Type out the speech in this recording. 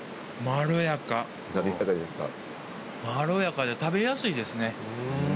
まろやかで食べやすいですね。